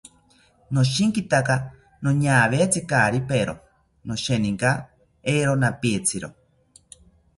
Noshinkitaka noñawetzi kari pero, nosheninka eero napitziro